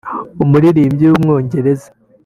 umuririmbyi w’umwongereza